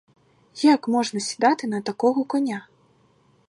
Як можна сідати на такого коня?